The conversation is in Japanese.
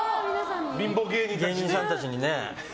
芸人さんたちにね。